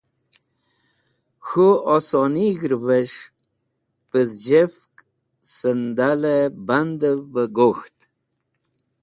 K̃hũ osonig̃hrẽvẽs̃h pidhz̃hefk sẽndalẽ bandẽv bẽ gok̃ht.